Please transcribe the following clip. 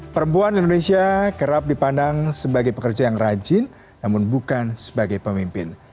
perempuan indonesia kerap dipandang sebagai pekerja yang rajin namun bukan sebagai pemimpin